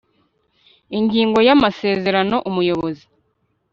Ingingo ya Amasezerano umuyobozi